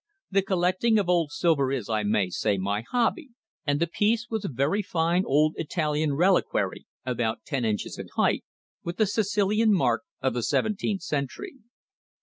The collecting of old silver is, I may say, my hobby, and the piece was a very fine old Italian reliquary, about ten inches in height, with the Sicilian mark of the seventeenth century.